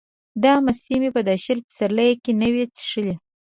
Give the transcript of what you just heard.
دا مستې مې په دا شل پسرلیه کې نه وې څښلې.